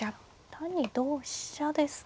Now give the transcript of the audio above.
単に同飛車ですね。